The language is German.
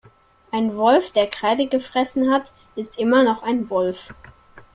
Ein Wolf, der Kreide gefressen hat, ist immer noch ein Wolf.